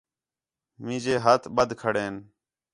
مینجے ہتھ ٻَدھے کھڑین